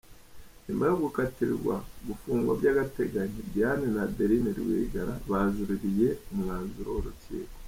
Nyuma yo gukatirwa gufungwa by’agateganyo, Diane na Adeline Rwigara bajururiye umwanzuro w’urukiko.